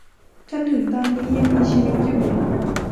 จนถึงตอนนี้ยังมีชีวิตอยู่